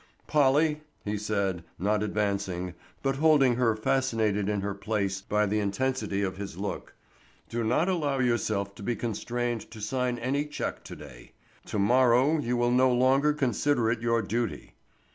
"Polly," he said, not advancing, but holding her fascinated in her place by the intensity of his look, "do not allow yourself to be constrained to sign any check to day. To morrow you will no longer consider it your duty."